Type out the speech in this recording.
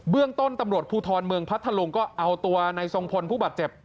เรื่องต้นตำรวจภูทรเมืองพัทธลุงก็เอาตัวในทรงพลผู้บาดเจ็บ